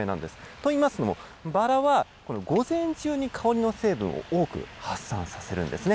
といいますのも、バラは、午前中に香りの成分を多く発散させるんですね。